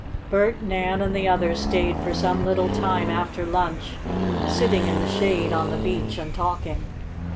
Bert, Nan and the others stayed for some little time after lunch, sitting in the shade on the beach, and talking.